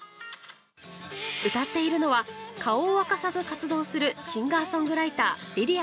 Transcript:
歌っているのは顔を明かさず活動するシンガーソングライターりりあ。